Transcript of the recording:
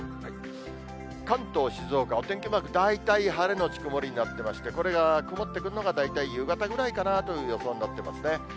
関東、静岡、お天気マーク、大体、晴れ後曇りになってまして、これが曇ってくるのが大体、夕方ぐらいかなという予想になってますね。